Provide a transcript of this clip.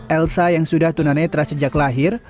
elsa yang sudah tunanetra sejak lahir